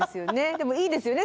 でもいいですよね